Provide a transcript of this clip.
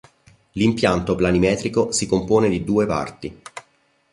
L'impianto planimetrico si compone di due parti.